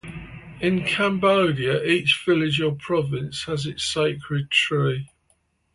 In Cambodia each village or province has its sacred tree.